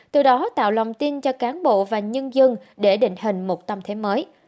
từ đó tạo lòng tin cho cán bộ và nhân dân để định hình một tâm thế mới